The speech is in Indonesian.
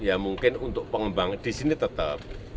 ya mungkin untuk pengembang di sini tetap